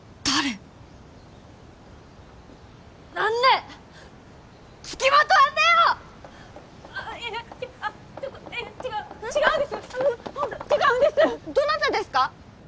どなたですか？